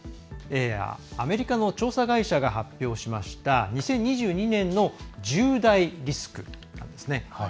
アメリカの調査会社が発表しました２０２２年の１０大リスクです。